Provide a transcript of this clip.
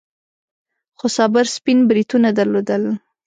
خو صابر سپين بریتونه درلودل.